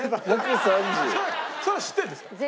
それ知ってるんですか？